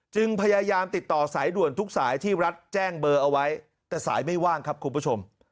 จึงพยายามติดต่อสายด่วนทุกสายที่รัฐแจ้งเบอร์เอาไว้แต่สายไม่ว่างครับคุณผู้ชม